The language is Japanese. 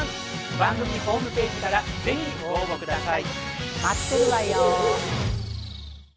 番組ホームページから是非ご応募下さい！